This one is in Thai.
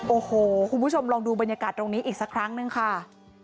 โอ้โหคุณผู้ชมลองดูบรรยากาศตรงนี้อีกสักครั้งนึงค่ะ